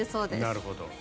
なるほど。